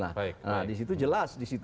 nah disitu jelas